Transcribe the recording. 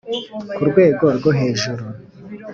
Ku rwego rwo hejuru